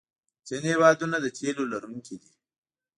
ځینې هېوادونه د تیلو لرونکي دي.